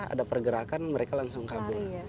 ada pergerakan mereka langsung kabur